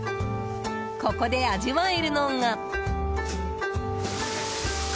ここで味わえるのが。